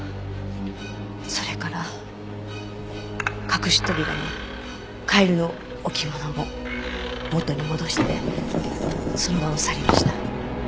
それから隠し扉もカエルの置物も元に戻してその場を去りました。